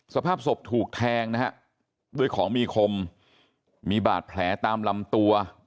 สภาพศพถูกแทงนะฮะด้วยของมีคมมีบาดแผลตามลำตัว